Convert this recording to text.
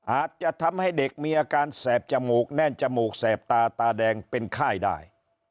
อาจจะทำให้เด็กมีอาการแสบจมูกแน่นจมูกแสบตาตาแดงเป็นไข้ได้